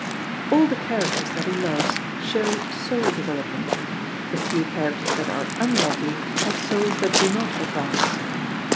All the characters that he loves show soul development; the few characters that are unlovely have souls that do not advance.